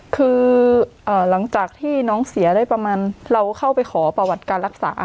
คือหลังจากที่น้องเสียได้ประมาณเราเข้าไปขอประวัติการรักษา